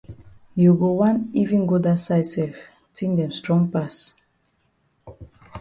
You go wan even go dat side sef tin dem strong pass.